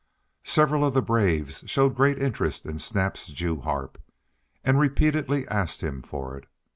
Several of the braves showed great interest in Snap's jews' harp and repeatedly asked him for it.